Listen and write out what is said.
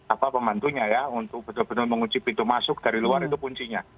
apa pembantunya ya untuk betul betul menguji pintu masuk dari luar itu kuncinya